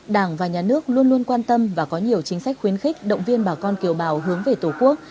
đảng và nhà nước luôn luôn quan tâm và có nhiều chính sách khuyến khích động viên bà con kiều bào hướng về tổ quốc